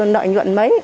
nợ nhuận mấy